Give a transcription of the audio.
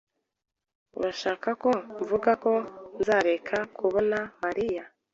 Urashaka ko mvuga ko nzareka kubona Mariya?